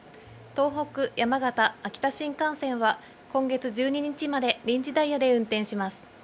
東北、山形、秋田新幹線は、今月１２日まで臨時ダイヤで運転します。